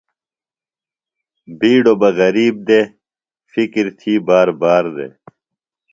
بِیڈوۡ بہ غریب دےۡ، فِکر تھی باربار دےۡ